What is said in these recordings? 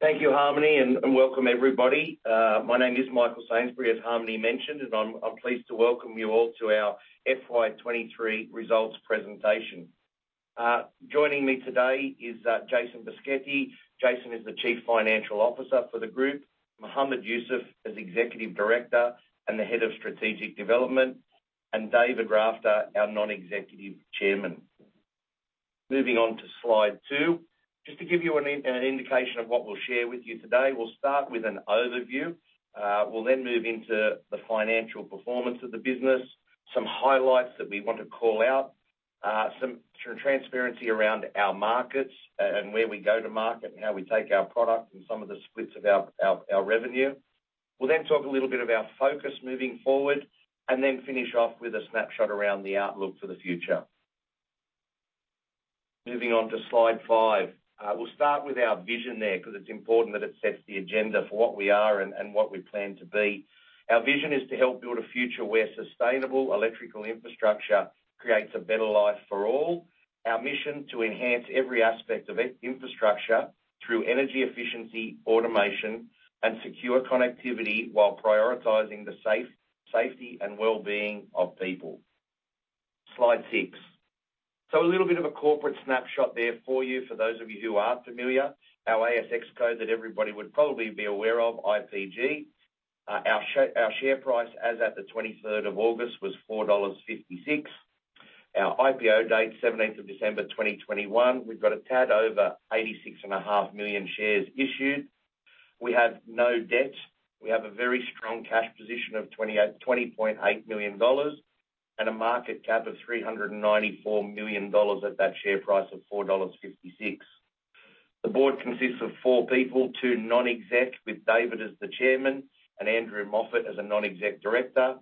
Thank you, Harmony, and welcome everybody. My name is Michael Sainsbury, as Harmony mentioned, and I'm pleased to welcome you all to our FY23 results presentation. Joining me today is Jason Boschetti. Jason is the Chief Financial Officer for the group, Mohamed Yoosuff is executive director and the head of strategic development, and David Rafter, our Non-Executive Chairman. Moving on to slide 2. Just to give you an indication of what we'll share with you today, we'll start with an overview. We'll then move into the financial performance of the business, some highlights that we want to call out, some transparency around our markets and where we go to market, and how we take our product and some of the splits of our revenue. We'll then talk a little bit about focus moving forward, and then finish off with a snapshot around the outlook for the future. Moving on to slide 5. We'll start with our vision there, 'cause it's important that it sets the agenda for what we are and what we plan to be. Our vision is to help build a future where sustainable electrical infrastructure creates a better life for all. Our mission: to enhance every aspect of infrastructure through energy efficiency, automation, and secure connectivity, while prioritizing the safety and well-being of people. Slide 6. So a little bit of a corporate snapshot there for you, for those of you who aren't familiar. Our ASX code that everybody would probably be aware of, IPG. Our share price, as at the twenty-third of August, was 4.56 dollars. Our IPO date, 17th of December 2021. We've got a tad over 86.5 million shares issued. We have no debt. We have a very strong cash position of 28.8 million dollars, and a market cap of 394 million dollars at that share price of 4.56 dollars. The board consists of four people, two non-exec, with David as the chairman and Andrew Moffat as a non-exec director,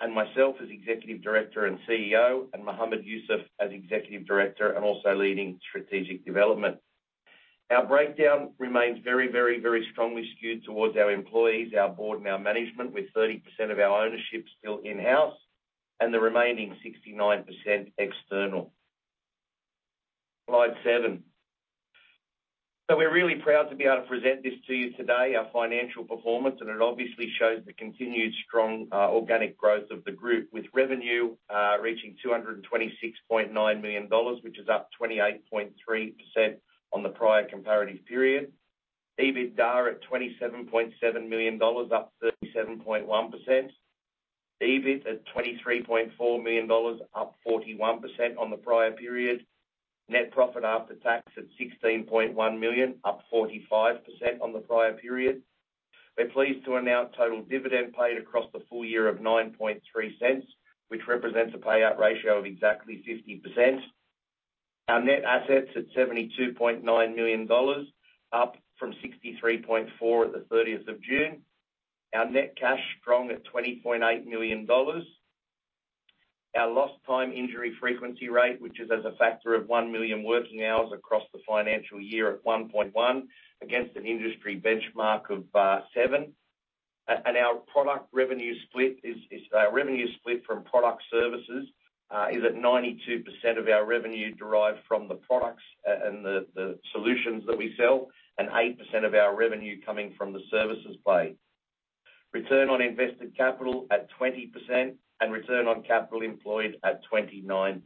and myself as executive director and CEO, and Mohamed Yoosuff as executive director and also leading strategic development. Our breakdown remains very, very, very strongly skewed towards our employees, our board, and our management, with 30% of our ownership still in-house, and the remaining 69% external. Slide seven. So we're really proud to be able to present this to you today, our financial performance, and it obviously shows the continued strong, organic growth of the group, with revenue, reaching 226.9 million dollars, which is up 28.3% on the prior comparative period. EBITDA at 27.7 million dollars, up 37.1%. EBIT at 23.4 million dollars, up 41% on the prior period. Net profit after tax at 16.1 million, up 45% on the prior period. We're pleased to announce total dividend paid across the full year of 0.093, which represents a payout ratio of exactly 50%. Our net assets at 72.9 million dollars, up from 63.4 million at the thirtieth of June. Our net cash, strong at 20.8 million dollars. Our lost time injury frequency rate, which is as a factor of 1 million working hours across the financial year at 1.1, against an industry benchmark of 7. And our product revenue split is revenue split from product services is at 92% of our revenue derived from the products and the solutions that we sell, and 8% of our revenue coming from the services side. Return on invested capital at 20% and return on capital employed at 29%.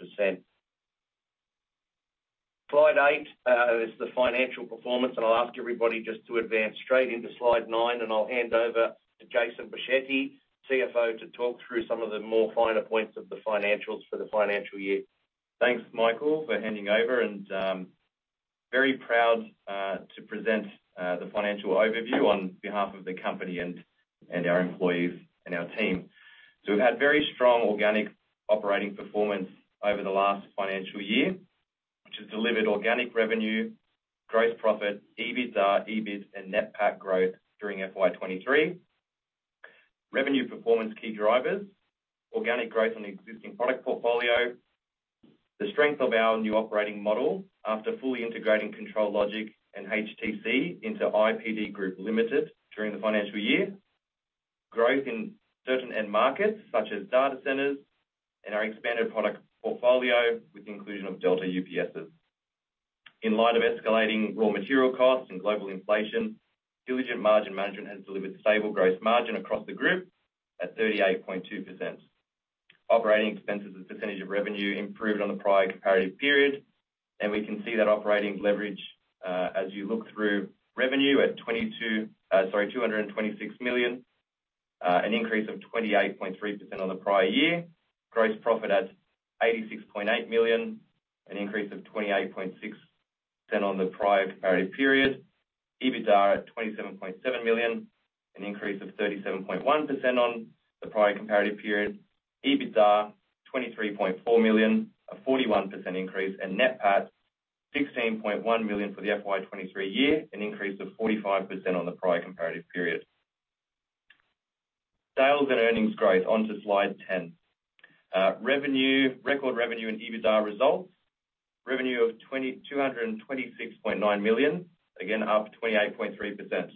Slide 8 is the financial performance, and I'll ask everybody just to advance straight into slide 9, and I'll hand over to Jason Boschetti, CFO, to talk through some of the more finer points of the financials for the financial year. Thanks, Michael, for handing over and very proud to present the financial overview on behalf of the company and our employees and our team. We've had very strong organic operating performance over the last financial year, which has delivered organic revenue, gross profit, EBITDA, EBIT, and NPAT growth during FY 2023. Revenue performance key drivers: organic growth on the existing product portfolio, the strength of our new operating model after fully integrating Control Logic and HTC into IPD Group Limited during the financial year. Growth in certain end markets, such as data centers and our expanded product portfolio, with the inclusion of Delta UPSes. In light of escalating raw material costs and global inflation, diligent margin management has delivered stable gross margin across the group at 38.2%. Operating expenses as a percentage of revenue improved on the prior comparative period, and we can see that operating leverage, as you look through revenue at 226 million, sorry, an increase of 28.3% on the prior year. Gross profit at 86.8 million, an increase of 28.6% on the prior comparative period. EBITDA at 27.7 million, an increase of 37.1% on the prior comparative period. EBITDA, 23.4 million, a 41% increase, and net PAT, 16.1 million for the FY 2023 year, an increase of 45% on the prior comparative period. Sales and earnings growth, onto slide 10. Revenue, record revenue and EBITDA results. Revenue of 226.9 million, again, up 28.3%.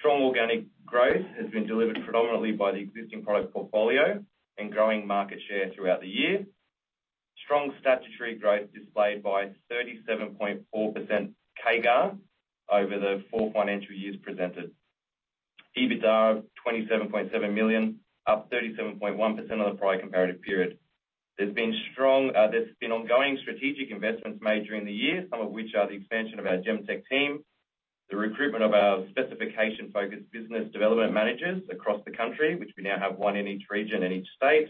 Strong organic growth has been delivered predominantly by the existing product portfolio and growing market share throughout the year. Strong statutory growth displayed by 37.4% CAGR over the four financial years presented. EBITDA of 27.7 million, up 37.1% on the prior comparative period. There's been strong, there's been ongoing strategic investments made during the year, some of which are the expansion of our Gemtek team, the recruitment of our specification-focused business development managers across the country, which we now have one in each region and each state,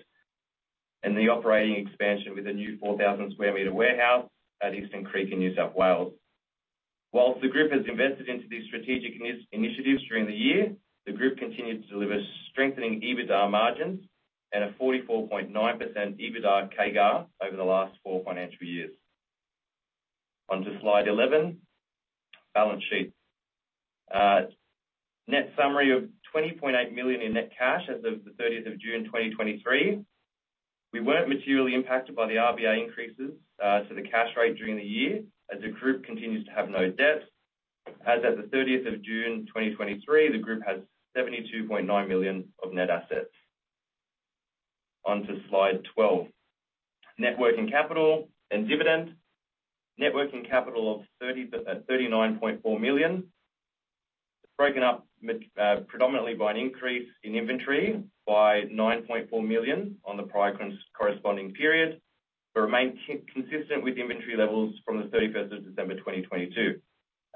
and the operating expansion with a new 4,000 square meter warehouse at Eastern Creek in New South Wales. Whilst the group has invested into these strategic initiatives during the year, the group continued to deliver strengthening EBITDA margins and a 44.9% EBITDA CAGR over the last four financial years. Onto Slide 11, balance sheet. Net summary of 20.8 million in net cash as of the 30th of June 2023. We weren't materially impacted by the RBA increases to the cash rate during the year, as the group continues to have no debt. As at the 30th of June 2023, the group had 72.9 million of net assets. Onto Slide 12, net working capital and dividend. Net working capital of 39.4 million, broken up predominantly by an increase in inventory by 9.4 million on the prior corresponding period, but remain consistent with inventory levels from the 31st of December 2022.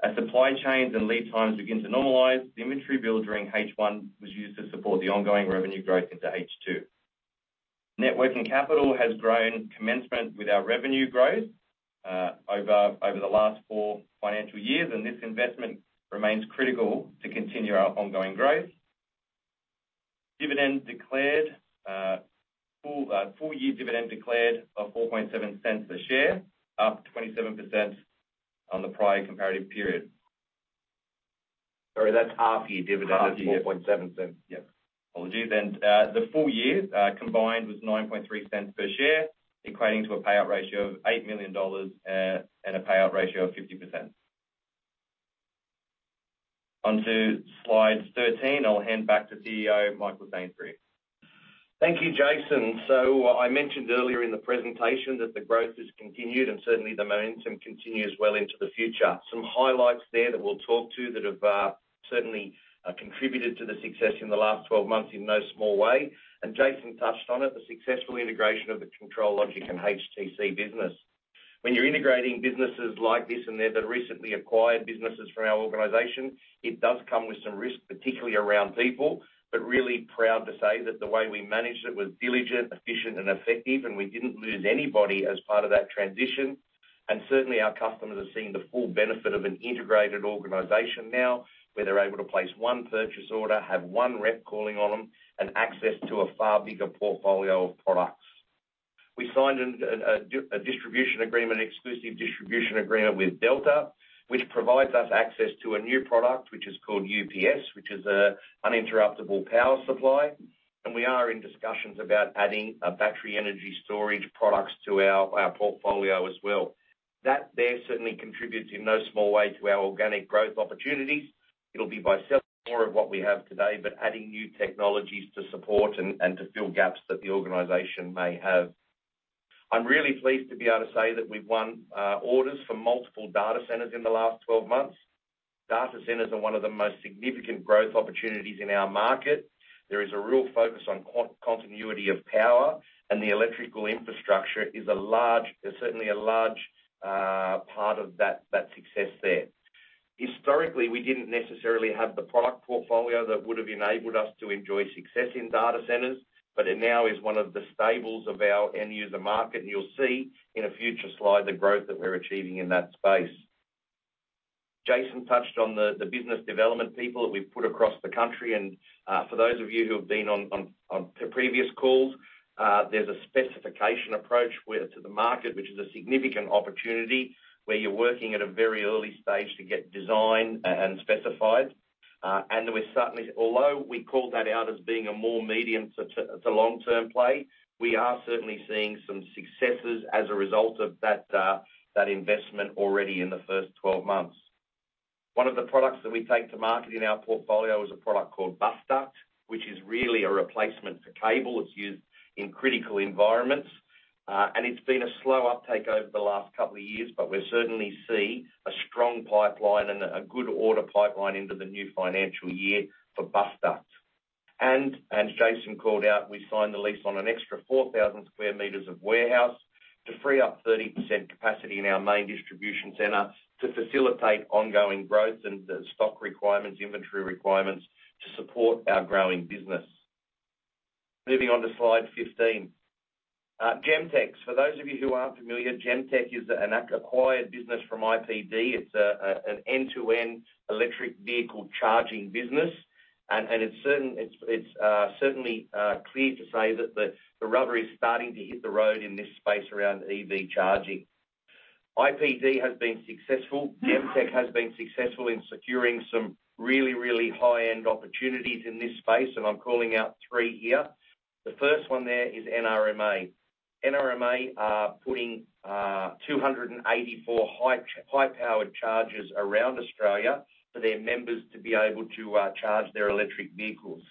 As supply chains and lead times begin to normalize, the inventory build during H1 was used to support the ongoing revenue growth into H2. Net working capital has grown commensurate with our revenue growth, over the last four financial years, and this investment remains critical to continue our ongoing growth. Dividend declared, full-year dividend declared of 0.047 per share, up 27% on the prior comparative period. Sorry, that's half-year dividend of 0.047. Yeah. Apologies. And the full year combined was 0.093 per share, equating to a payout ratio of 8 million dollars and a payout ratio of 50%. Onto slide 13. I'll hand back to CEO Michael Sainsbury. Thank you, Jason. So I mentioned earlier in the presentation that the growth has continued and certainly the momentum continues well into the future. Some highlights there that we'll talk to that have certainly contributed to the success in the last 12 months in no small way. And Jason touched on it, the successful integration of the Control Logic and HTC business. When you're integrating businesses like this, and they're the recently acquired businesses from our organization, it does come with some risk, particularly around people, but really proud to say that the way we managed it was diligent, efficient, and effective, and we didn't lose anybody as part of that transition. Certainly, our customers are seeing the full benefit of an integrated organization now, where they're able to place 1 purchase order, have 1 rep calling on them, and access to a far bigger portfolio of products. We signed an exclusive distribution agreement with Delta, which provides us access to a new product, which is called UPS, which is an Uninterruptible Power Supply. And we are in discussions about adding battery energy storage products to our portfolio as well. That there certainly contributes in no small way to our organic growth opportunities. It'll be by selling more of what we have today, but adding new technologies to support and to fill gaps that the organization may have. I'm really pleased to be able to say that we've won orders for multiple data centers in the last 12 months. Data centers are one of the most significant growth opportunities in our market. There is a real focus on continuity of power, and the electrical infrastructure is a large. There's certainly a large part of that success there. Historically, we didn't necessarily have the product portfolio that would have enabled us to enjoy success in data centers, but it now is one of the stables of our end user market, and you'll see in a future slide the growth that we're achieving in that space. Jason touched on the business development people that we've put across the country, and for those of you who have been on the previous calls, there's a specification approach to the market, which is a significant opportunity, where you're working at a very early stage to get design and specified. and we're certainly, although we called that out as being a more medium- to long-term play, we are certainly seeing some successes as a result of that investment already in the first 12 months. One of the products that we take to market in our portfolio is a product called Bus Duct, which is really a replacement for cable. It's used in critical environments, and it's been a slow uptake over the last couple of years, but we're certainly see a strong pipeline and a good order pipeline into the new financial year for Bus Duct. And, as Jason called out, we signed the lease on an extra 4,000 square meters of warehouse to free up 30% capacity in our main distribution center to facilitate ongoing growth and the stock requirements, inventory requirements to support our growing business. Moving on to slide 15. Gemtek. For those of you who aren't familiar, Gemtek is an acquired business from IPD. It's a, an end-to-end electric vehicle charging business, and it's certainly clear to say that the rubber is starting to hit the road in this space around EV charging. IPD has been successful. Gemtek has been successful in securing some really, really high-end opportunities in this space, and I'm calling out three here. The first one there is NRMA. NRMA are putting 284 high-powered chargers around Australia for their members to be able to charge their electric vehicles.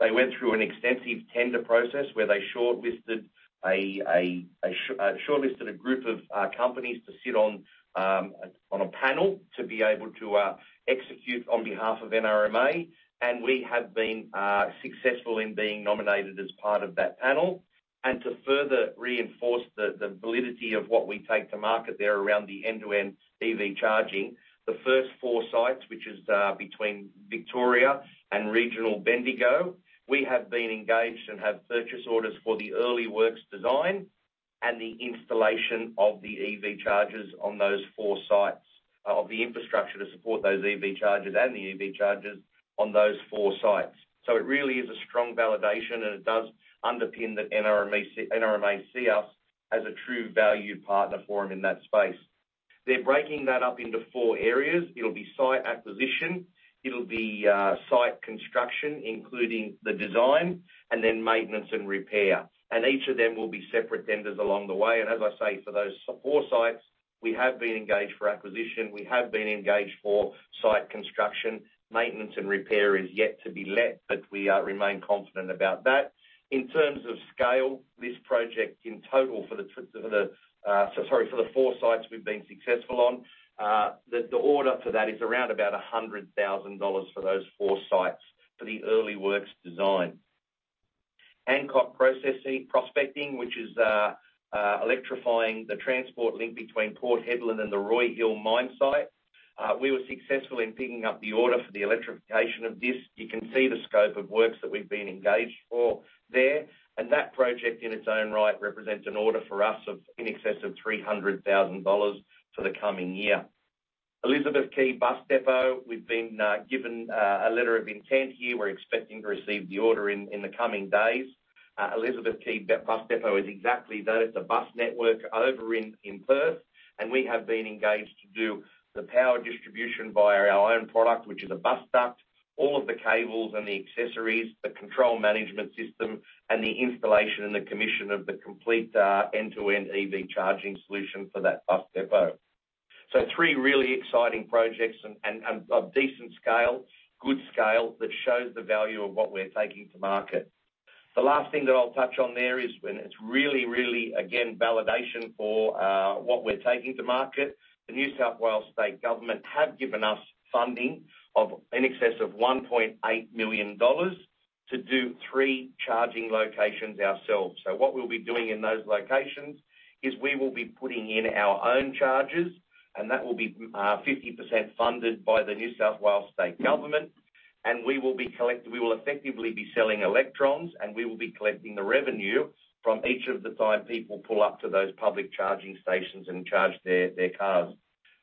They went through an extensive tender process where they shortlisted a group of companies to sit on a panel to be able to execute on behalf of NRMA, and we have been successful in being nominated as part of that panel. To further reinforce the validity of what we take to market there around the end-to-end EV charging, the first 4 sites, which is between Victoria and regional Bendigo, we have been engaged and have purchase orders for the early works design and the installation of the EV chargers on those 4 sites, of the infrastructure to support those EV chargers and the EV chargers on those 4 sites. So it really is a strong validation, and it does underpin that NRMA, NRMA see us as a true valued partner for them in that space. They're breaking that up into four areas. It'll be site acquisition, it'll be site construction, including the design, and then maintenance and repair. And each of them will be separate tenders along the way. And as I say, for those four sites, we have been engaged for acquisition, we have been engaged for site construction. Maintenance and repair is yet to be let, but we remain confident about that. In terms of scale, this project in total for the four sites we've been successful on, the order for that is around about 100,000 dollars for those four sites for the early works design. Hancock Prospecting, which is electrifying the transport link between Port Hedland and the Roy Hill mine site. We were successful in picking up the order for the electrification of this. You can see the scope of works that we've been engaged for there, and that project in its own right represents an order for us of in excess of 300,000 dollars for the coming year. Elizabeth Quay Bus Depot, we've been given a letter of intent here. We're expecting to receive the order in the coming days. Elizabeth Quay Bus Depot is exactly that. It's a bus network over in Perth, and we have been engaged to do the power distribution via our own product, which is a Bus Duct, all of the cables and the accessories, the control management system, and the installation and the commission of the complete end-to-end EV charging solution for that bus depot. So 3 really exciting projects and of decent scale, good scale, that shows the value of what we're taking to market. The last thing that I'll touch on there is, and it's really, really, again, validation for what we're taking to market. The New South Wales state government have given us funding of in excess of 1.8 million dollars to do 3 charging locations ourselves. So what we'll be doing in those locations is we will be putting in our own chargers, and that will be 50% funded by the New South Wales state government. And we will effectively be selling electrons, and we will be collecting the revenue from each of the time people pull up to those public charging stations and charge their cars.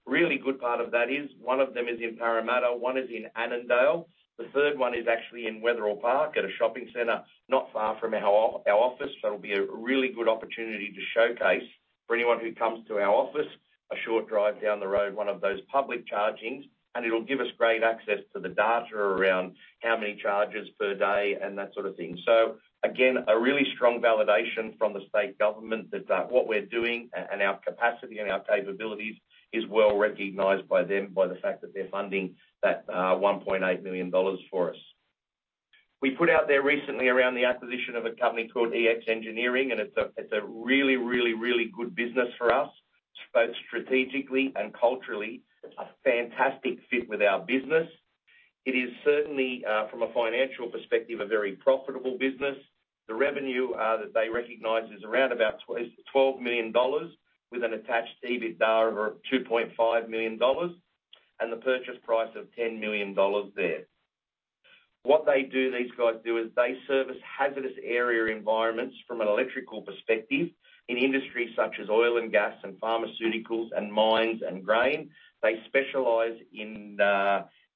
Really good part of that is one of them is in Parramatta, one is in Annandale, the third one is actually in Wetherill Park at a shopping center not far from our office. So it'll be a really good opportunity to showcase for anyone who comes to our office, a short drive down the road, one of those public chargings, and it'll give us great access to the data around how many charges per day and that sort of thing. So again, a really strong validation from the state government that what we're doing and our capacity and our capabilities is well recognized by them, by the fact that they're funding that 1.8 million dollars for us. We put out there recently around the acquisition of a company called Ex Engineering, and it's a really, really, really good business for us, both strategically and culturally, a fantastic fit with our business. It is certainly from a financial perspective, a very profitable business. The revenue that they recognize is around about 12 million dollars, with an attached EBITDA of 2.5 million dollars, and the purchase price of 10 million dollars there. What they do, these guys do, is they service hazardous area environments from an electrical perspective in industries such as oil and gas and pharmaceuticals and mines and grain. They specialize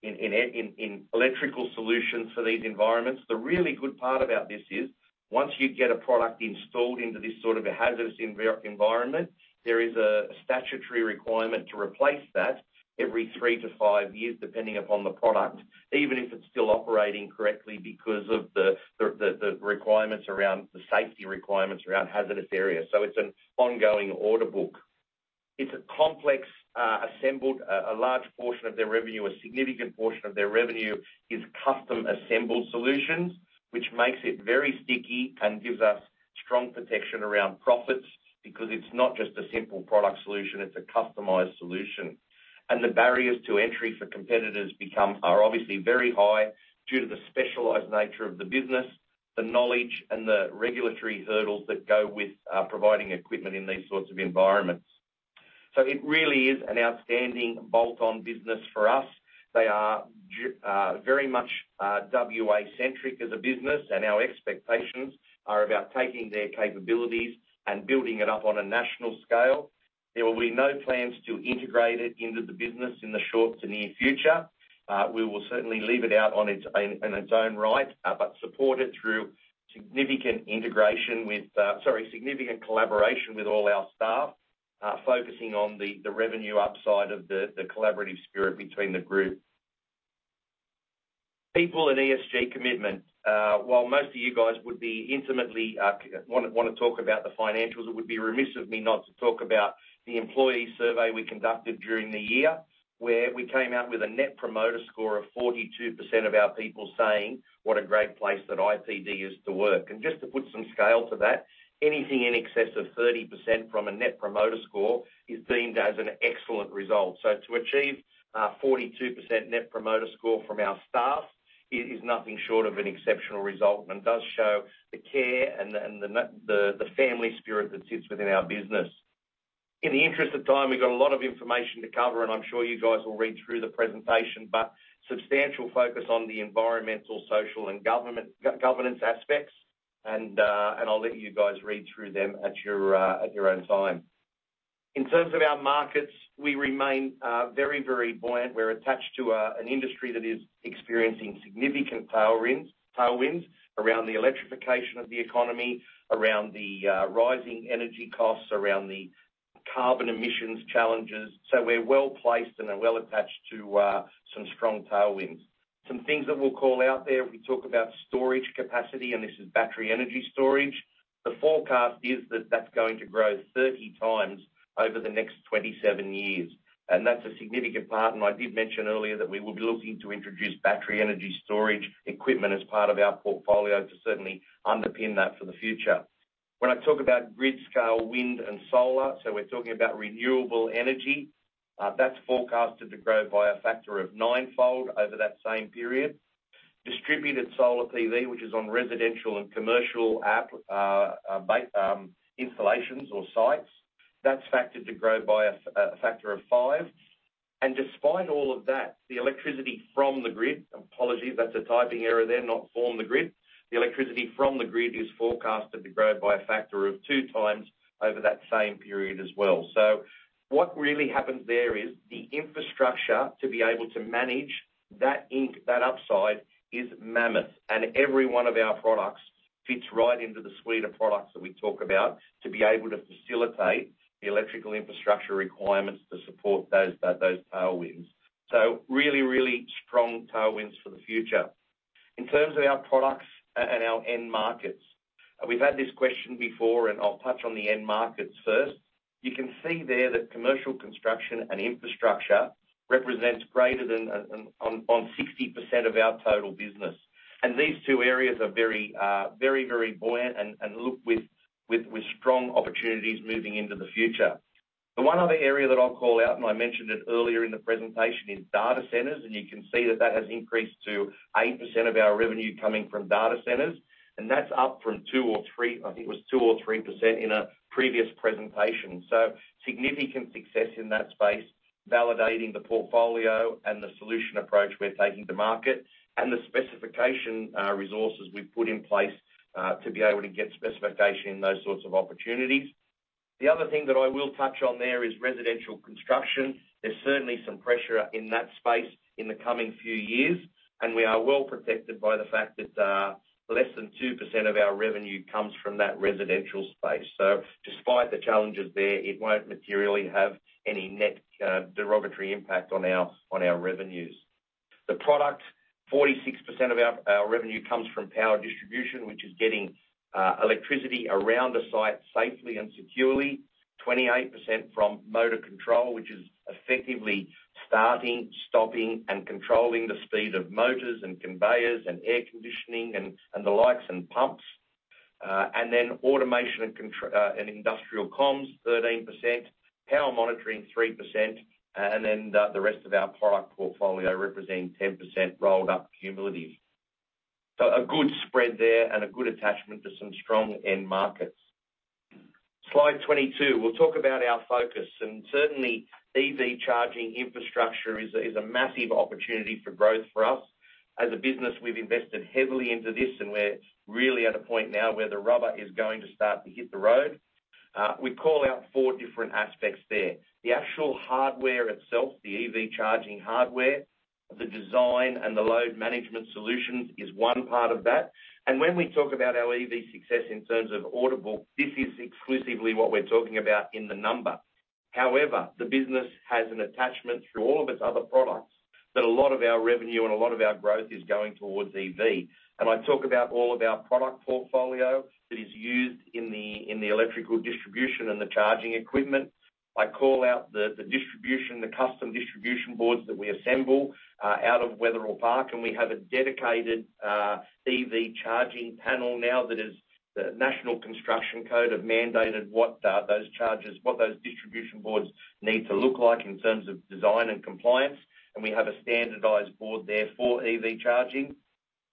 in electrical solutions for these environments. The really good part about this is, once you get a product installed into this sort of a hazardous environment, there is a statutory requirement to replace that every 3-5 years, depending upon the product, even if it's still operating correctly because of the requirements around the safety requirements around hazardous areas. So it's an ongoing order book. It's a complex assembled. A large portion of their revenue, a significant portion of their revenue is custom-assembled solutions, which makes it very sticky and gives us strong protection around profits because it's not just a simple product solution, it's a customized solution. And the barriers to entry for competitors are obviously very high due to the specialized nature of the business, the knowledge, and the regulatory hurdles that go with providing equipment in these sorts of environments. So it really is an outstanding bolt-on business for us. They are very much WA-centric as a business, and our expectations are about taking their capabilities and building it up on a national scale. There will be no plans to integrate it into the business in the short to near future. We will certainly leave it out on its own, in its own right, but support it through significant integration with, sorry, significant collaboration with all our staff, focusing on the revenue upside of the collaborative spirit between the group. People and ESG commitment. While most of you guys would be intimately want to talk about the financials, it would be remiss of me not to talk about the employee survey we conducted during the year, where we came out with a Net Promoter Score of 42% of our people saying what a great place that IPD is to work. And just to put some scale to that, anything in excess of 30% from a Net Promoter Score is deemed as an excellent result. So to achieve 42% Net Promoter Score from our staff is nothing short of an exceptional result and does show the care and the family spirit that sits within our business. In the interest of time, we've got a lot of information to cover, and I'm sure you guys will read through the presentation, but substantial focus on the environmental, social, and governance aspects. And I'll let you guys read through them at your own time. In terms of our markets, we remain very, very buoyant. We're attached to an industry that is experiencing significant tailwinds, tailwinds around the electrification of the economy, around the rising energy costs, around the carbon emissions challenges. So we're well placed and are well attached to some strong tailwinds. Some things that we'll call out there, we talk about storage capacity, and this is battery energy storage. The forecast is that that's going to grow 30 times over the next 27 years, and that's a significant part. And I did mention earlier that we will be looking to introduce battery energy storage equipment as part of our portfolio to certainly underpin that for the future. When I talk about grid-scale wind and solar, so we're talking about renewable energy, that's forecasted to grow by a factor of ninefold over that same period. Distributed solar PV, which is on residential and commercial applications, installations or sites, that's forecasted to grow by a factor of five. And despite all of that, the electricity from the grid... Apologies, that's a typing error there, not form the grid. The electricity from the grid is forecasted to grow by a factor of two times over that same period as well. So what really happens there is the infrastructure to be able to manage that upside is mammoth, and every one of our products fits right into the suite of products that we talk about to be able to facilitate the electrical infrastructure requirements to support those tailwinds. So really, really strong tailwinds for the future. In terms of our products and our end markets, we've had this question before, and I'll touch on the end markets first. You can see there that commercial construction and infrastructure represents greater than 60% of our total business. And these two areas are very, very buoyant and look with strong opportunities moving into the future. The one other area that I'll call out, and I mentioned it earlier in the presentation, is data centers, and you can see that that has increased to 8% of our revenue coming from data centers, and that's up from 2 or 3, I think it was 2 or 3% in a previous presentation. So significant success in that space, validating the portfolio and the solution approach we're taking to market, and the specification, resources we've put in place, to be able to get specification in those sorts of opportunities. The other thing that I will touch on there is residential construction. There's certainly some pressure in that space in the coming few years, and we are well protected by the fact that, less than 2% of our revenue comes from that residential space. So despite the challenges there, it won't materially have any net, derogatory impact on our revenues. The product, 46% of our revenue comes from power distribution, which is getting electricity around the site safely and securely. 28% from motor control, which is effectively starting, stopping, and controlling the speed of motors and conveyors and air conditioning and the likes, and pumps. And then automation and industrial comms, 13%, power monitoring, 3%, and then the rest of our product portfolio representing 10% rolled up cumulative. So a good spread there and a good attachment to some strong end markets. Slide 22. We'll talk about our focus, and certainly, EV charging infrastructure is a massive opportunity for growth for us. As a business, we've invested heavily into this, and we're really at a point now where the rubber is going to start to hit the road. We call out four different aspects there. The actual hardware itself, the EV charging hardware, the design, and the load management solutions is one part of that. And when we talk about our EV success in terms of Addelec, this is exclusively what we're talking about in the number. However, the business has an attachment through all of its other products, that a lot of our revenue and a lot of our growth is going towards EV. And I talk about all of our product portfolio that is used in the electrical distribution and the charging equipment. I call out the distribution, the custom distribution boards that we assemble out of Wetherill Park, and we have a dedicated EV charging panel now that the National Construction Code have mandated what those distribution boards need to look like in terms of design and compliance. And we have a standardized board there for EV charging.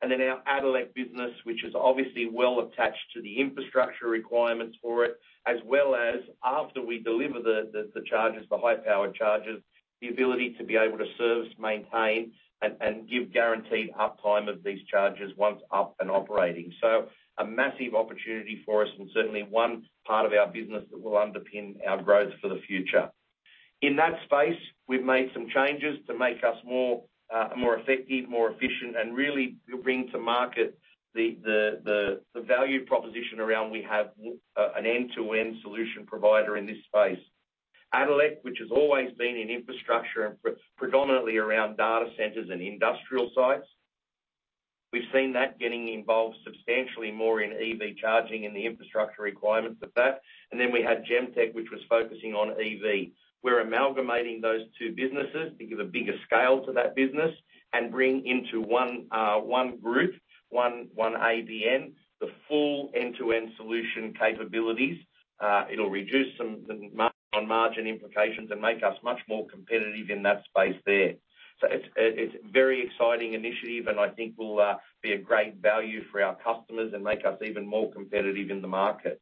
And then our Addelec business, which is obviously well attached to the infrastructure requirements for it, as well as after we deliver the chargers, the high-powered chargers, the ability to be able to service, maintain, and give guaranteed uptime of these chargers once up and operating. So a massive opportunity for us and certainly one part of our business that will underpin our growth for the future. In that space, we've made some changes to make us more effective, more efficient, and really bring to market the value proposition around we have an end-to-end solution provider in this space. Addelec, which has always been in infrastructure and predominantly around data centers and industrial sites. We've seen that getting involved substantially more in EV charging and the infrastructure requirements of that. And then we had Gemtek, which was focusing on EV. We're amalgamating those two businesses to give a bigger scale to that business and bring into one group, one AB, the full end-to-end solution capabilities. It'll reduce some of the margin implications and make us much more competitive in that space there. So it's a very exciting initiative, and I think will be a great value for our customers and make us even more competitive in the market.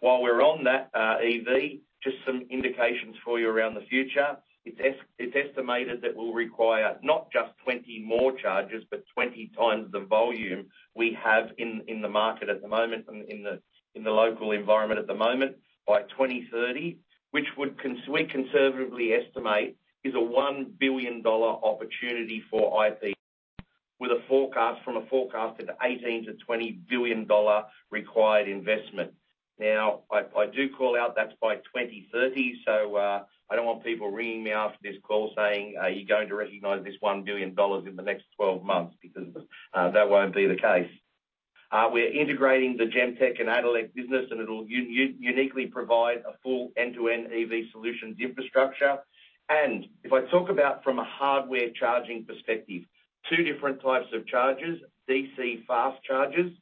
While we're on that, EV, just some indications for you around the future. It's estimated that we'll require not just 20 more chargers, but 20 times the volume we have in the market at the moment, in the local environment at the moment, by 2030, which we conservatively estimate is a 1 billion dollar opportunity for IPD, with a forecast from a forecast of 18 billion-20 billion dollar required investment. Now, I do call out that's by 2030, so, I don't want people ringing me after this call saying, "Are you going to recognize this 1 billion dollars in the next twelve months?" Because, that won't be the case. We're integrating the Gemtek and Addelec business, and it'll uniquely provide a full end-to-end EV solutions infrastructure. And if I talk about from a hardware charging perspective, two different types of chargers, DC fast chargers.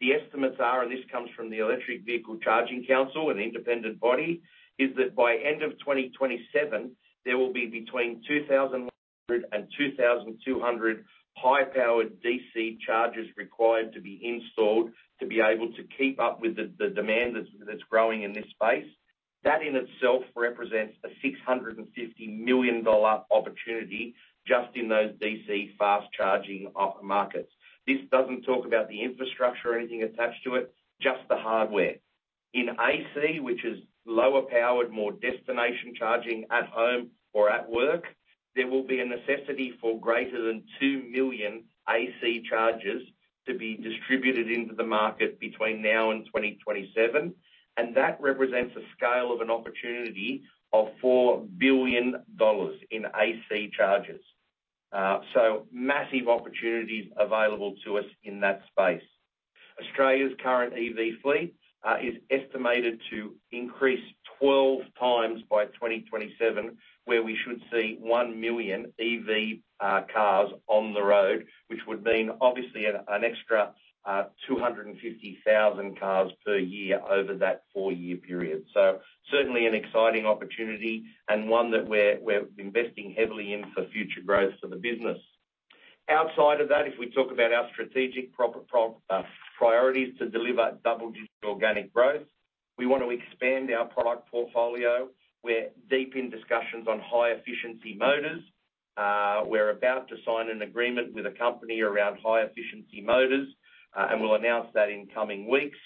The estimates are, and this comes from the Electric Vehicle Charging Council, an independent body, is that by end of 2027, there will be between 2,000 and 2,200 high-powered DC chargers required to be installed to be able to keep up with the demand that's growing in this space. That in itself represents a 650 million dollar opportunity just in those DC fast charging markets. This doesn't talk about the infrastructure or anything attached to it, just the hardware. In AC, which is lower powered, more destination charging at home or at work, there will be a necessity for greater than 2 million AC chargers to be distributed into the market between now and 2027, and that represents a scale of an opportunity of 4 billion dollars in AC chargers. So massive opportunities available to us in that space. Australia's current EV fleet is estimated to increase 12 times by 2027, where we should see 1 million EV cars on the road, which would mean obviously an extra 250,000 cars per year over that four-year period. So certainly an exciting opportunity and one that we're investing heavily in for future growth of the business. Outside of that, if we talk about our strategic priorities to deliver double-digit organic growth, we want to expand our product portfolio. We're deep in discussions on high-efficiency motors. We're about to sign an agreement with a company around high-efficiency motors, and we'll announce that in coming weeks.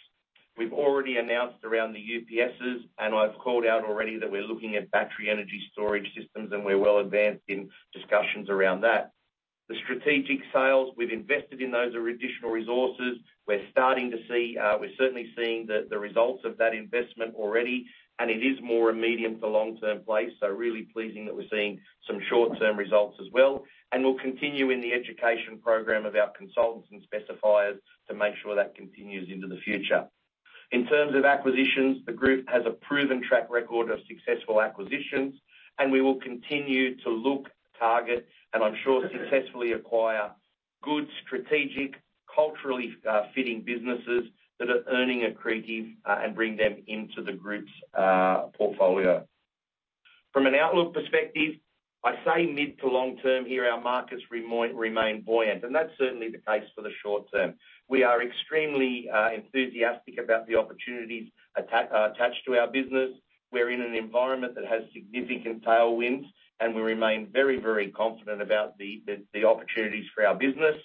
We've already announced around the UPSes, and I've called out already that we're looking at battery energy storage systems, and we're well advanced in discussions around that. The strategic sales, we've invested in those are additional resources. We're starting to see, we're certainly seeing the results of that investment already, and it is more a medium to long-term play, so really pleasing that we're seeing some short-term results as well. And we'll continue in the education program of our consultants and specifiers to make sure that continues into the future. In terms of acquisitions, the group has a proven track record of successful acquisitions, and we will continue to look, target, and I'm sure successfully acquire good, strategic, culturally fitting businesses that are earning accretive, and bring them into the group's portfolio. From an outlook perspective, I say mid to long term here, our markets remain buoyant, and that's certainly the case for the short term. We are extremely enthusiastic about the opportunities attached to our business. We're in an environment that has significant tailwinds, and we remain very, very confident about the opportunities for our business.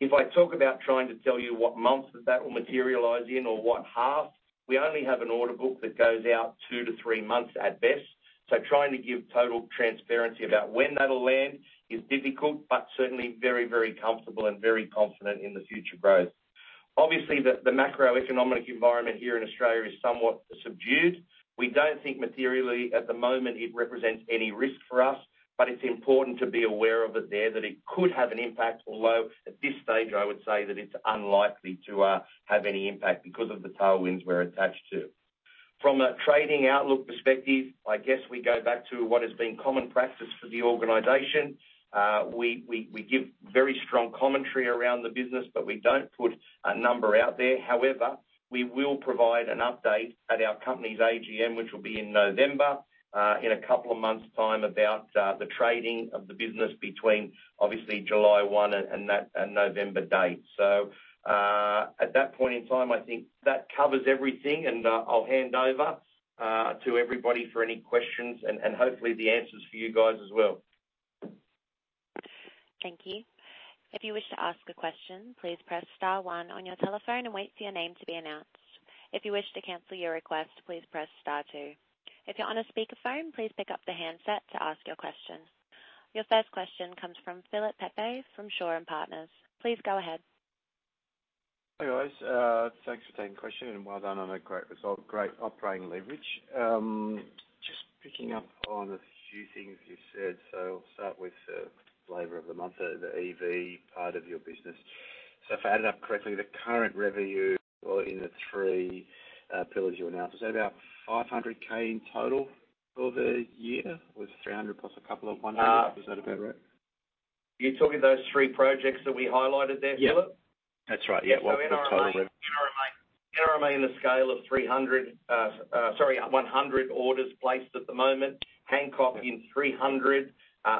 If I talk about trying to tell you what months that will materialize in or what half, we only have an order book that goes out 2-3 months at best. So trying to give total transparency about when that'll land is difficult, but certainly very, very comfortable and very confident in the future growth. Obviously, the macroeconomic environment here in Australia is somewhat subdued. We don't think materially at the moment it represents any risk for us, but it's important to be aware of it there, that it could have an impact, although at this stage I would say that it's unlikely to have any impact because of the tailwinds we're attached to. From a trading outlook perspective, I guess we go back to what has been common practice for the organization. We give very strong commentary around the business, but we don't put a number out there. However, we will provide an update at our company's AGM, which will be in November, in a couple of months' time, about the trading of the business between obviously July 1 and that November date. So, at that point in time, I think that covers everything, and I'll hand over to everybody for any questions and hopefully the answers for you guys as well. Thank you. If you wish to ask a question, please press star one on your telephone and wait for your name to be announced. If you wish to cancel your request, please press star two. If you're on a speakerphone, please pick up the handset to ask your question. Your first question comes from Philip Pepe from Shaw and Partners. Please go ahead. Hi, guys. Thanks for taking the question, and well done on a great result, great operating leverage. Just picking up on a few things you said. I'll start with, flavor of the month, the EV part of your business. If I added up correctly, the current revenue or in the three pillars you announced, is that about 500K in total for the year, or was it 300 plus a couple of 100? Is that about right? You're talking those three projects that we highlighted there, Philip? Yeah. That's right, yeah. So the total rev- NRMA in a scale of 300, sorry, 100 orders placed at the moment, Hancock in 300,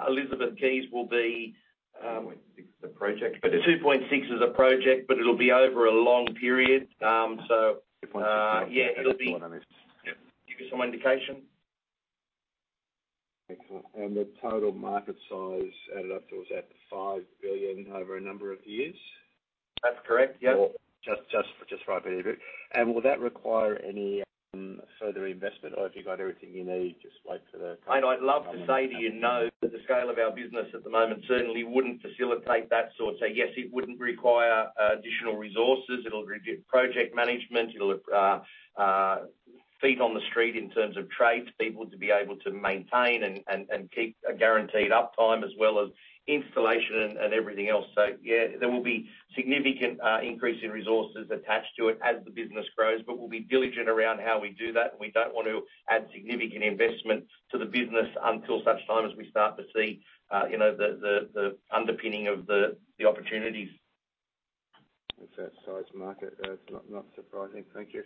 Elizabeth Quay will be, 2.6 is the project. The 2.6 is a project, but it'll be over a long period. 2.6- Yeah, it'll be- Yeah. Give you some indication. Okay, and the total market size added up to, was that 5 billion over a number of years? That's correct, yep. Just to get it right. And will that require any further investment, or have you got everything you need, just wait for the- I'd love to say to you no, but the scale of our business at the moment certainly wouldn't facilitate that sort. So yes, it wouldn't require additional resources. It'll require project management, feet on the street in terms of tradespeople to be able to maintain and keep a guaranteed uptime as well as installation and everything else. So yeah, there will be significant increase in resources attached to it as the business grows, but we'll be diligent around how we do that, and we don't want to add significant investment to the business until such time as we start to see you know the underpinning of the opportunities. With that size market, that's not surprising. Thank you.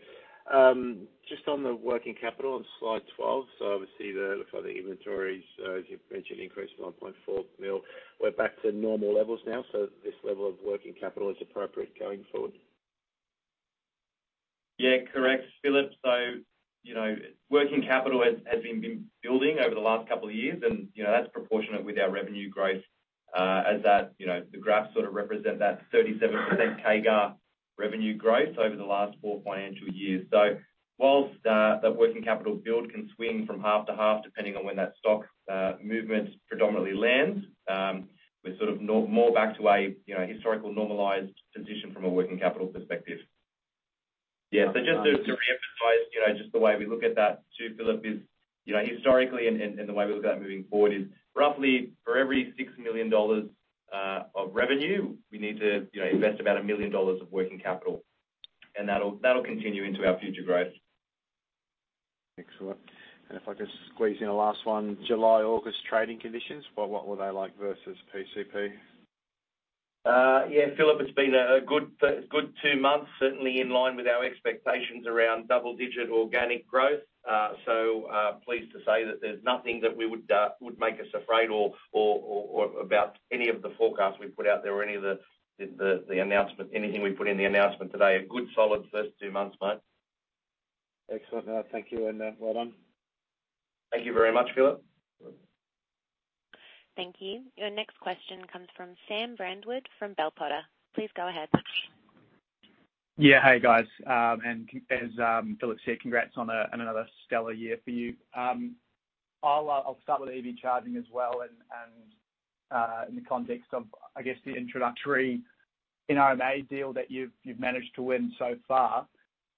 Just on the working capital on slide 12, so obviously, for the inventories, as you've mentioned, increased to 1.4 million. We're back to normal levels now, so this level of working capital is appropriate going forward? Yeah, correct, Philip. So, you know, working capital has been building over the last couple of years, and, you know, that's proportionate with our revenue growth. As that, you know, the graphs sort of represent that 37% CAGR revenue growth over the last four financial years. So whilst the working capital build can swing from half to half, depending on when that stock movement predominantly lands, we're sort of more back to a, you know, historical, normalized position from a working capital perspective. Yeah, so just to reemphasize, you know, just the way we look at that, too, Philip, is, you know, historically and the way we look at it moving forward is roughly for every 6 million dollars of revenue, we need to, you know, invest about 1 million dollars of working capital, and that'll continue into our future growth. Excellent. If I could squeeze in a last one: July, August trading conditions, what were they like versus PCP? Yeah, Philip, it's been a good two months, certainly in line with our expectations around double-digit organic growth. So, pleased to say that there's nothing that we would make us afraid or about any of the forecasts we put out there or any of the announcement, anything we put in the announcement today. A good, solid first two months, mate. Excellent. Thank you, and well done. Thank you very much, Philip. Thank you. Your next question comes from Sam Brandwood, from Bell Potter. Please go ahead. Yeah. Hey, guys, and as Philip said, congrats on another stellar year for you. I'll start with EV charging as well and in the context of, I guess, the introductory NRMA deal that you've managed to win so far.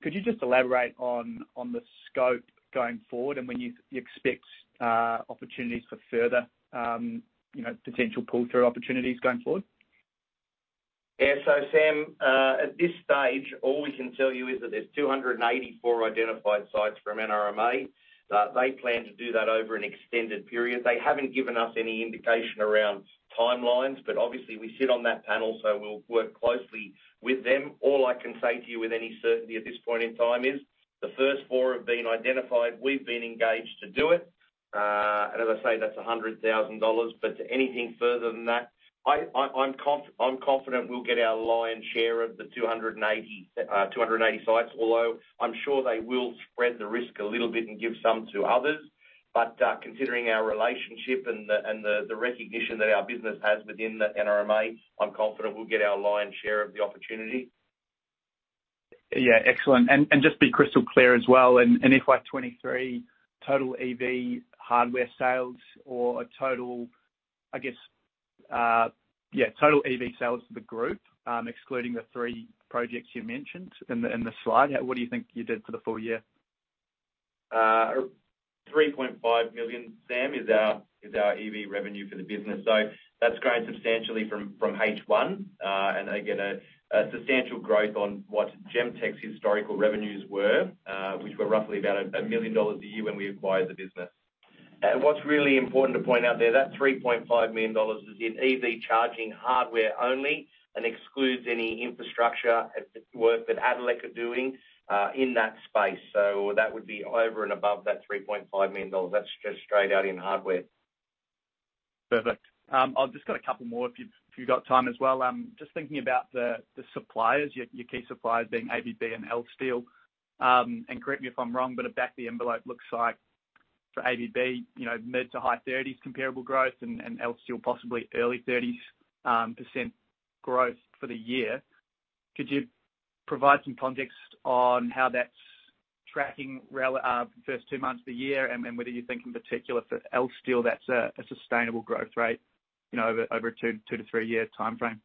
Could you just elaborate on the scope going forward and when you expect opportunities for further, you know, potential pull-through opportunities going forward? Yeah. So, Sam, at this stage, all we can tell you is that there's 284 identified sites from NRMA. They plan to do that over an extended period. They haven't given us any indication around timelines, but obviously, we sit on that panel, so we'll work closely with them. All I can say to you with any certainty at this point in time is, the first four have been identified. We've been engaged to do it. And as I say, that's 100,000 dollars, but anything further than that, I'm confident we'll get our lion's share of the 280 sites, although I'm sure they will spread the risk a little bit and give some to others. But, considering our relationship and the recognition that our business has within the NRMA, I'm confident we'll get our lion's share of the opportunity. Yeah, excellent. And just be crystal clear as well, and in FY23, total EV hardware sales or a total, I guess, yeah, total EV sales to the group, excluding the three projects you mentioned in the slide, what do you think you did for the full year? 3.5 million, Sam, is our EV revenue for the business. So that's grown substantially from H1, and again, a substantial growth on what Gemtek's historical revenues were, which were roughly about 1 million dollars a year when we acquired the business. What's really important to point out there, that 3.5 million dollars is in EV charging hardware only and excludes any infrastructure at the work that Addelec are doing in that space. So that would be over and above that 3.5 million dollars. That's just straight out in hardware. Perfect. I've just got a couple more if you've got time as well. Just thinking about the suppliers, your key suppliers being ABB and Elsteel. And correct me if I'm wrong, but a back-of-the-envelope looks like for ABB, you know, mid- to high thirties comparable growth and Elsteel, possibly early thirties % growth for the year. Could you provide some context on how that's tracking well, first two months of the year, and whether you think in particular for Elsteel, that's a sustainable growth rate, you know, over a two- to three-year timeframe?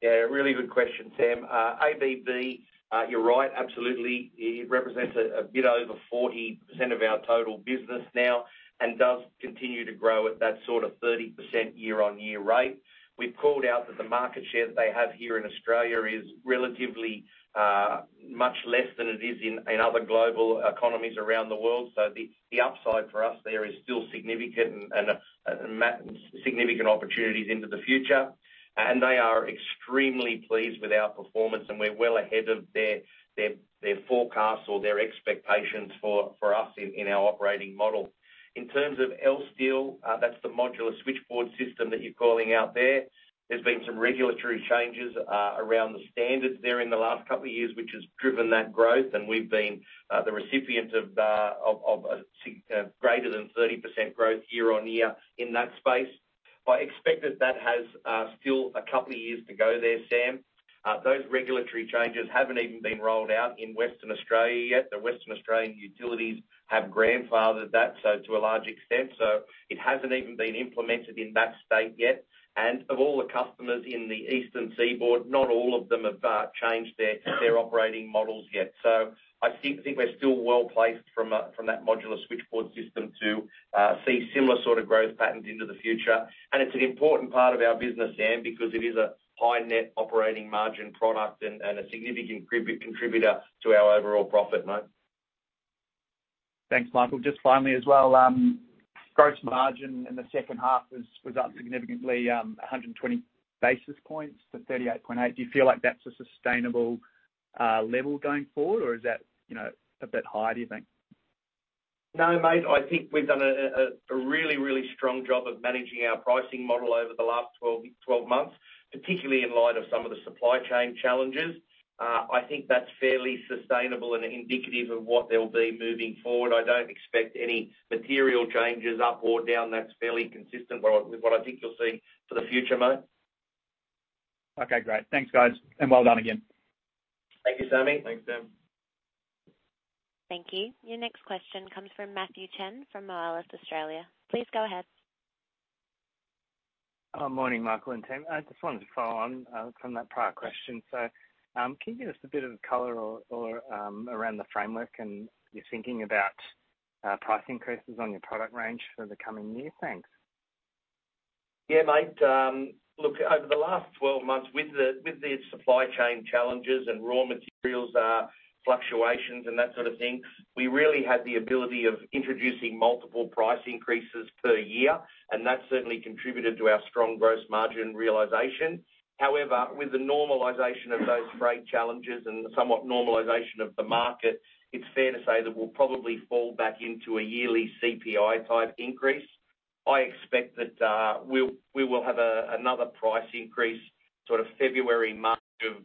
Yeah, really good question, Sam. ABB, you're right, absolutely. It represents a bit over 40% of our total business now and does continue to grow at that sort of 30% year-on-year rate. We've called out that the market share that they have here in Australia is relatively much less than it is in other global economies around the world. So the upside for us there is still significant and significant opportunities into the future. And they are extremely pleased with our performance, and we're well ahead of their forecast or their expectations for us in our operating model. In terms of Elsteel, that's the modular switchboard system that you're calling out there. There's been some regulatory changes around the standards there in the last couple of years, which has driven that growth, and we've been the recipient of a greater than 30% growth year-on-year in that space. I expect that that has still a couple of years to go there, Sam. Those regulatory changes haven't even been rolled out in Western Australia yet. The Western Australian utilities have grandfathered that, so to a large extent, so it hasn't even been implemented in that state yet. And of all the customers in the eastern seaboard, not all of them have changed their operating models yet. So I think we're still well placed from that modular switchboard system to see similar sort of growth patterns into the future. It's an important part of our business, Sam, because it is a high net operating margin product and a significant contributor to our overall profit margin. Thanks, Michael. Just finally as well, gross margin in the second half was up significantly, 100 basis points to 38.8. Do you feel like that's a sustainable level going forward, or is that, you know, a bit high, do you think? No, mate, I think we've done a really, really strong job of managing our pricing model over the last 12 months, particularly in light of some of the supply chain challenges. I think that's fairly sustainable and indicative of what they'll be moving forward. I don't expect any material changes up or down. That's fairly consistent with what I think you'll see for the future, mate. Okay, great. Thanks, guys, and well done again. Thank you, Sammy. Thanks, Sam. Thank you. Your next question comes from Matthew Chen from Moelis Australia. Please go ahead. Morning, Michael and team. I just wanted to follow on from that prior question. So, can you give us a bit of color or around the framework and your thinking about price increases on your product range for the coming year? Thanks. Yeah, mate. Look, over the last 12 months with the, with the supply chain challenges and raw materials fluctuations and that sort of thing, we really had the ability of introducing multiple price increases per year, and that certainly contributed to our strong gross margin realization. However, with the normalization of those freight challenges and somewhat normalization of the market, it's fair to say that we'll probably fall back into a yearly CPI-type increase. I expect that we will have a another price increase sort of February, March of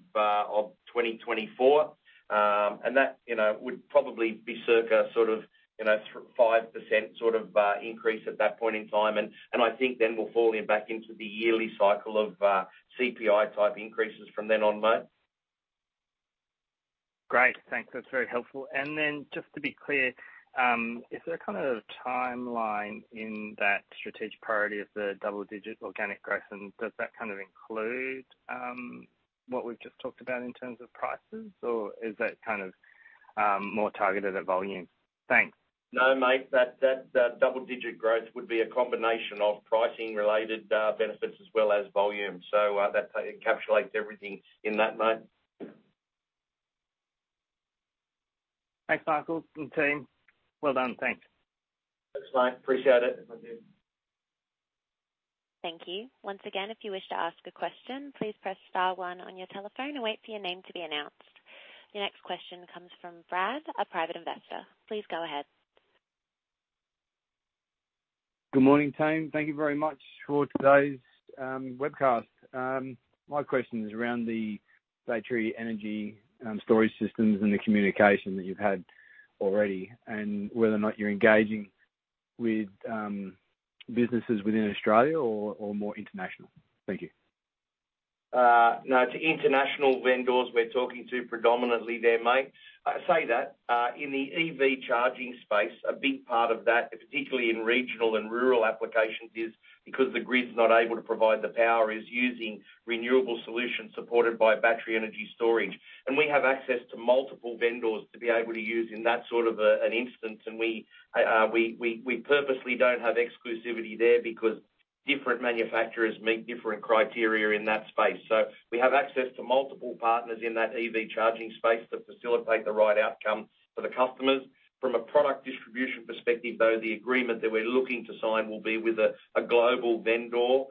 2024. And that, you know, would probably be circa sort of, you know, 5% sort of increase at that point in time. And I think then we'll fall back into the yearly cycle of CPI-type increases from then on, mate. Great, thanks. That's very helpful. Then just to be clear, is there kind of a timeline in that strategic priority of the double-digit organic growth, and does that kind of include what we've just talked about in terms of prices, or is that kind of more targeted at volume? Thanks. No, mate, that double-digit growth would be a combination of pricing-related benefits as well as volume. So, that encapsulates everything in that note. Thanks, Michael and team. Well done. Thanks. Thanks, mate. Appreciate it. Thank you. Once again, if you wish to ask a question, please press star one on your telephone and wait for your name to be announced. The next question comes from Brad, a private investor. Please go ahead. Good morning, team. Thank you very much for today's webcast. My question is around the battery energy and storage systems and the communication that you've had already, and whether or not you're engaging with businesses within Australia or more international. Thank you. No, it's international vendors we're talking to predominantly there, mate. I say that in the EV charging space, a big part of that, particularly in regional and rural applications, is because the grid's not able to provide the power, is using renewable solutions supported by battery energy storage. And we have access to multiple vendors to be able to use in that sort of instance. And we purposely don't have exclusivity there because different manufacturers meet different criteria in that space. So we have access to multiple partners in that EV charging space to facilitate the right outcome for the customers. From a product distribution perspective, though, the agreement that we're looking to sign will be with a global vendor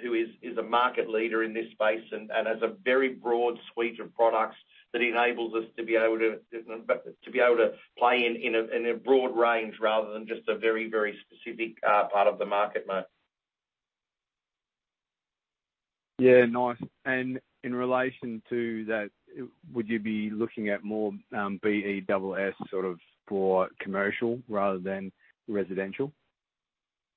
who is a market leader in this space and has a very broad suite of products that enables us to be able to play in a broad range rather than just a very specific part of the market, mate. Yeah, nice. And in relation to that, would you be looking at more, BESS sort of for commercial rather than residential?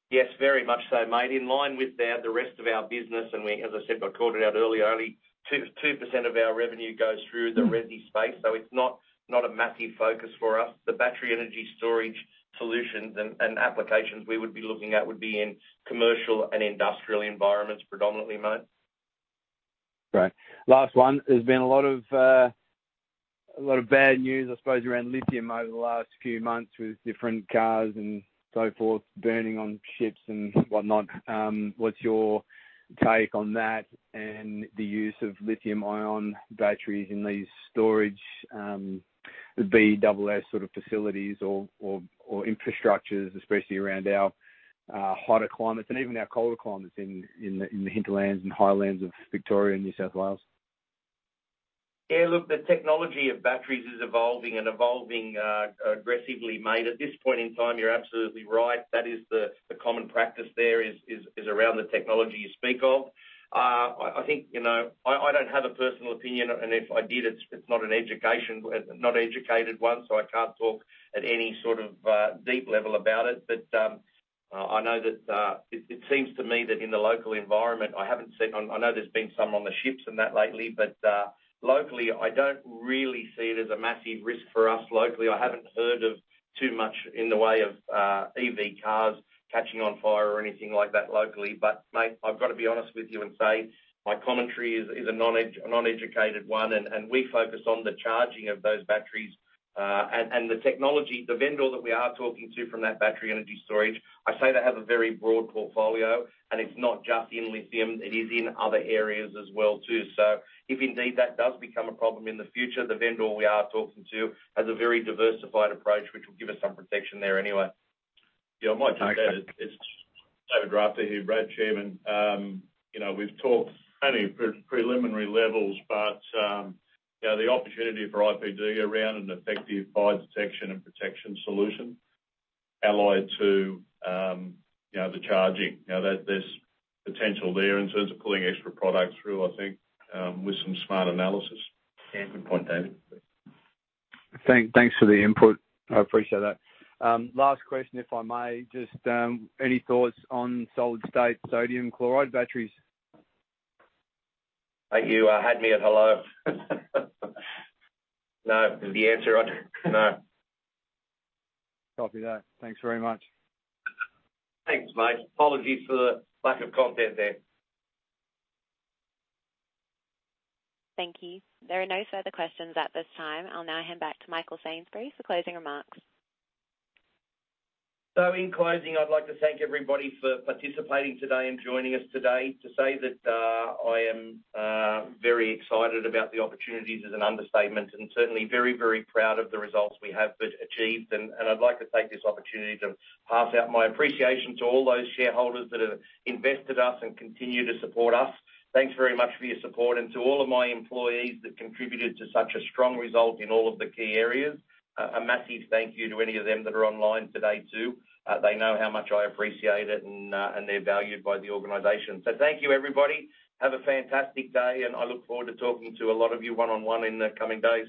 Yes, very much so, mate. In line with that, the rest of our business, and we, as I said, I called it out earlier, only 2, 2% of our revenue goes through the resi space, so it's not, not a massive focus for us. The battery energy storage solutions and, and applications we would be looking at would be in commercial and industrial environments predominantly, mate. Great. Last one. There's been a lot of, a lot of bad news, I suppose, around lithium over the last few months, with different cars and so forth, burning on ships and whatnot. What's your take on that and the use of lithium-ion batteries in these storage, the BESS sort of facilities or, or, or infrastructures, especially around our, hotter climates and even our colder climates in the hinterlands and highlands of Victoria and New South Wales? Yeah, look, the technology of batteries is evolving and evolving aggressively, mate. At this point in time, you're absolutely right. That is the common practice there is around the technology you speak of. I think, you know, I don't have a personal opinion, and if I did, it's not an educated one, so I can't talk at any sort of deep level about it. But I know that it seems to me that in the local environment, I haven't seen. I know there's been some on the ships and that lately, but locally, I don't really see it as a massive risk for us locally. I haven't heard of too much in the way of EV cars catching on fire or anything like that locally. But, mate, I've got to be honest with you and say my commentary is a non-educated one, and we focus on the charging of those batteries, and the technology. The vendor that we are talking to from that battery energy storage, I say they have a very broad portfolio, and it's not just in lithium, it is in other areas as well, too. So if indeed that does become a problem in the future, the vendor we are talking to has a very diversified approach, which will give us some protection there anyway. Yeah, I might just add, it's David Rafter here, Brad, Chairman. You know, we've talked only preliminary levels, but, you know, the opportunity for IPD around an effective fire detection and protection solution allied to, you know, the charging, you know, there, there's potential there in terms of pulling extra product through, I think, with some smart analysis. Good point, David. Thank, thanks for the input. I appreciate that. Last question, if I may, just, any thoughts on solid-state sodium chloride batteries? Mate, you had me at hello. No, the answer, No. Copy that. Thanks very much. Thanks, mate. Apologies for the lack of content there. Thank you. There are no further questions at this time. I'll now hand back to Michael Sainsbury for closing remarks. So in closing, I'd like to thank everybody for participating today and joining us today to say that I am very excited about the opportunity is an understatement, and certainly very, very proud of the results we have achieved. And I'd like to take this opportunity to pass out my appreciation to all those shareholders that have invested us and continue to support us. Thanks very much for your support and to all of my employees that contributed to such a strong result in all of the key areas, a massive thank you to any of them that are online today, too. They know how much I appreciate it and they're valued by the organization. So thank you, everybody. Have a fantastic day, and I look forward to talking to a lot of you one-on-one in the coming days.